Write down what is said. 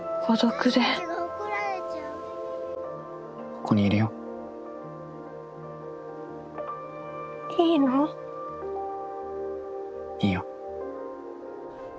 ここにいるよ。いいの？いいよ。